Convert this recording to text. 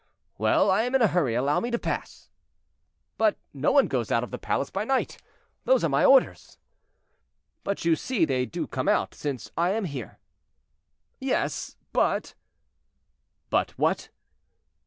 "Well! I am in a hurry; allow me to pass." "But no one goes out of the palace by night; those are my orders." "But you see they do come out, since I am here." "Yes, but—" "But what?"